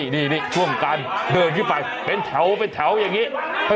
นี่ช่วงการเคลื่อนขึ้นไปเป็นแถวอย่างนี้